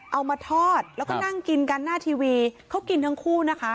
เอามาทอดแล้วก็นั่งกินกันหน้าทีวีเขากินทั้งคู่นะคะ